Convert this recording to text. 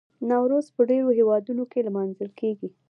نوروز په ډیرو هیوادونو کې لمانځل کیږي.